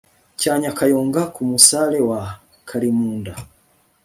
cya nyakayonga ka musare wa karimunda